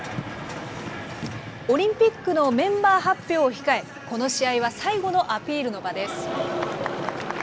オリンピックのメンバー発表を控え、この試合は最後のアピールの場です。